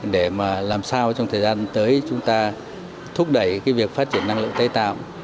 để mà làm sao trong thời gian tới chúng ta thúc đẩy việc phát triển năng lượng tái tạo